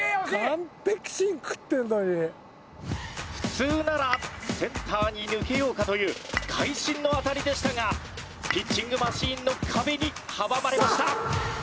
普通ならセンターに抜けようかという会心の当たりでしたがピッチングマシンの壁に阻まれました。